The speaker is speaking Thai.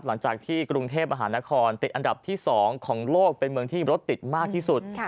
หลังจากที่กรุงเทพมหานครติดอันดับที่๒ของโลกเป็นเมืองที่รถติดมากที่สุด